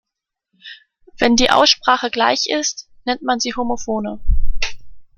Wenn die Aussprache gleich ist, nennt man sie Homophone.